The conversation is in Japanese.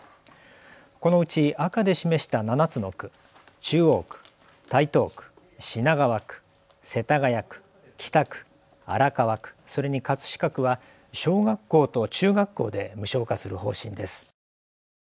このうち赤で示した７つの区、中央区、台東区、品川区、世田谷区、北区、荒川区、それに葛飾区は小学校と中学校で無償化する方針です。